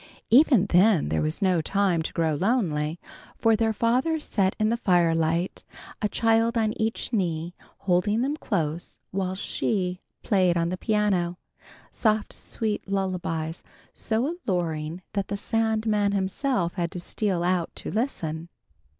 Even then there was no time to grow lonely, for their father sat in the firelight, a child on each knee, holding them close while She played on the piano, soft sweet lullabies so alluring that the Sandman himself had to steal out to listen.